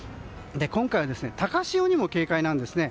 今回は、高潮にも警戒なんですね。